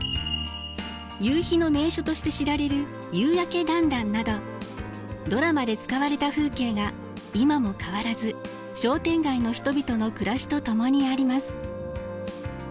夕日の名所として知られる夕やけだんだんなどドラマで使われた風景が今も変わらず商店街の人々の暮らしと共にあります。